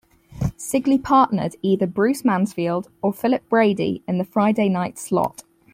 Sigley partnered either Bruce Mansfield or Philip Brady in the Friday night slot.